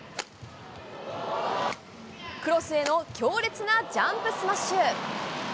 クロスへの強烈なジャンプスマッシュ。